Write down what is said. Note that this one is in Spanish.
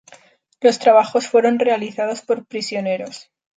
Los trabajos fueron realizados por prisioneros.